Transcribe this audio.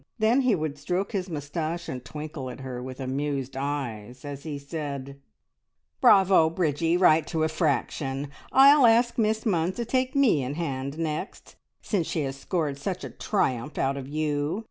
Then he would stroke his moustache and twinkle at her with amused eyes, as he said "Bravo, Bridgie, right to a fraction! I'll ask Miss Munns to take me in hand next since she has scored such a triumph out of you.